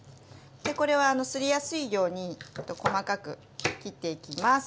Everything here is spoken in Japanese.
これはすりやすいように細かく切っていきます。